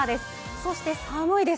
そして寒いです。